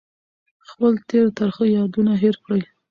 خپل تېر ترخه یادونه هېر کړئ.